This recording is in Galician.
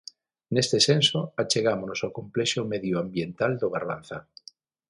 Neste senso, achegámonos ao complexo medioambiental do Barbanza.